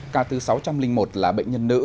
ca thứ sáu trăm linh một là bệnh nhân nữ